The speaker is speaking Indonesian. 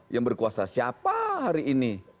yang berkuasa siapa hari ini